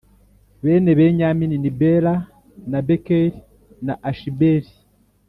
Bene Benyamini ni Bela na Bekeri na Ashibeli